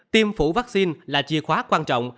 tiêm phủ vaccine là chìa khóa quan trọng